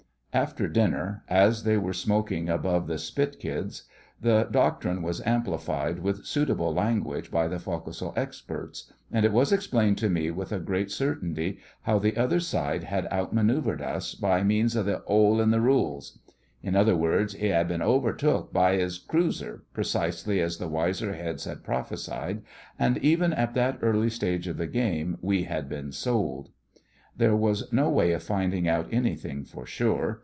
After dinner, as they were smoking above the spit kids, the doctrine was amplified with suitable language by the foc'sle experts, and it was explained to me with a great certainty how the other side had out manœuvred us 'by means of the 'ole in the rules.' In other words, 'he had been overtook by 'is cruiser,' precisely as the wiser heads had prophesied; and even at that early stage of the game we had been sold. There was no way of finding out anything for sure.